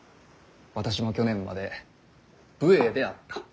私も去年まで武衛であった。